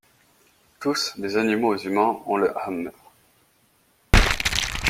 Tous, des animaux aux humains, ont le hamr.